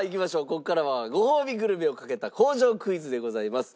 ここからはごほうびグルメをかけた工場クイズでございます。